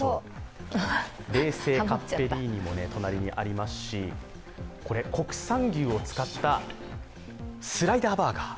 冷製カッペリーニも隣にありますし、これ、国産牛を使ったスライダーバーガー。